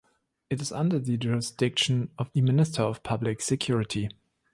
It is under the jurisdiction of the Minister of Public Security.